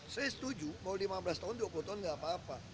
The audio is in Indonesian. saya setuju mau lima belas tahun dua puluh tahun gak apa apa